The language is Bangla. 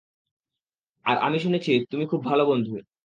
আর আমি শুনেছি তুমি খুব ভাল বন্ধু।